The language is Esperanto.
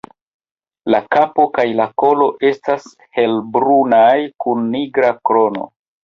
La kapo kaj kolo estas helbrunaj, kun nigra krono.